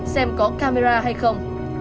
xem có camera hay không